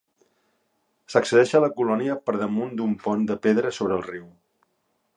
S'accedeix a la colònia per damunt d'un pont de pedra sobre el riu.